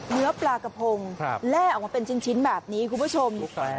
เนื้อปลากระพงแร่ออกมาเป็นชิ้นแบบนี้คุณผู้ชม